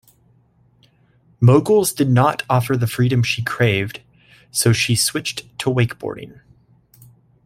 Moguls did not offer the freedom she craved, so she switched to wakeboarding.